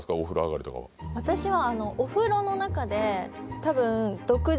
私は。